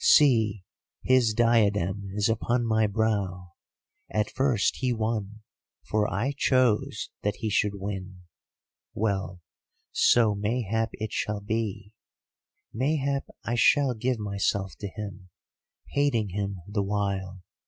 See, his diadem is upon my brow! At first he won, for I chose that he should win. Well, so mayhap it shall be; mayhap I shall give myself to him—hating him the while.